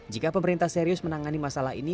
jika pemerintah serius menangani masalah ini